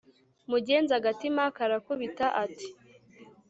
Mugenza agatima karakubita ati"